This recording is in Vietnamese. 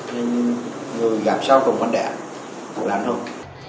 nên người gặp sau cùng của anh đại là anh hưng